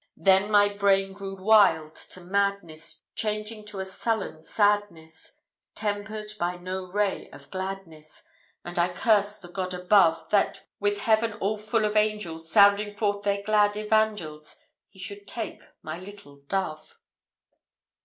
Then my brain grew wild to madness, Changing to a sullen sadness, Tempered by no ray of gladness; And I cursed the God above, That, with Heaven all full of angels, Sounding forth their glad evangels, He should take my little dove.